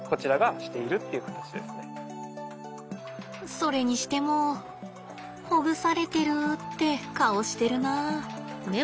それにしてもほぐされてるって顔してるな。